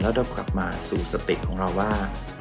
แล้วเรากลับมาสู่สติของเราว่า